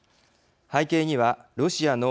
背景にはロシアの